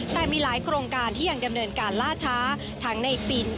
แต่มีหลายโครงการที่ยังดำเนินการล่าช้าทั้งในปิ่น